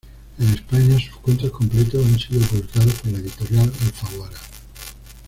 En España, sus "Cuentos completos" han sido publicados por la Editorial Alfaguara.